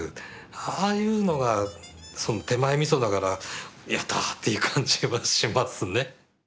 ああいうのが手前みそながら「やった」っていう感じはしますね。